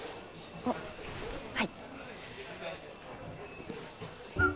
あっはい。